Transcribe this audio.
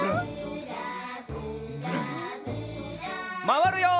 まわるよ。